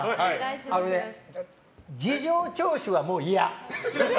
あのね、事情聴取はもう嫌。